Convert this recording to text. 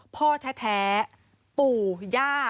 พ่อแท้ปู่ย่า